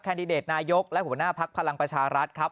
ดิเดตนายกและหัวหน้าภักดิ์พลังประชารัฐครับ